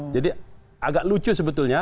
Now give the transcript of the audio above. jadi agak lucu sebetulnya